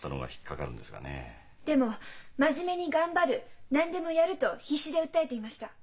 でも「真面目に頑張る。何でもやる」と必死で訴えていました。